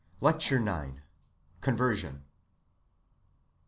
LECTURE IX. CONVERSION.